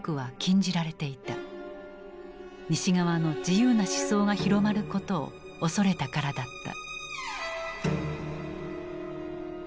西側の自由な思想が広まることを恐れたからだった。